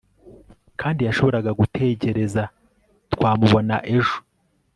Kandi yarashobora gutegereza twamubona ejo